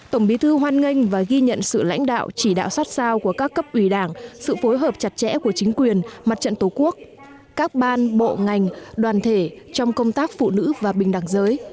tổng bí thư hoan nghênh và ghi nhận sự lãnh đạo chỉ đạo sát sao của các cấp ủy đảng sự phối hợp chặt chẽ của chính quyền mặt trận tổ quốc các ban bộ ngành đoàn thể trong công tác phụ nữ và bình đẳng giới